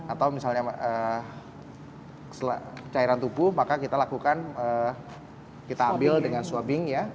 atau misalnya cairan tubuh maka kita lakukan kita ambil dengan swabing ya